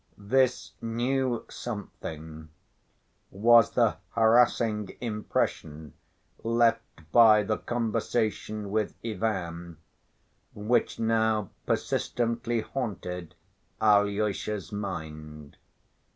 This new something was the harassing impression left by the conversation with Ivan, which now persistently haunted Alyosha's mind.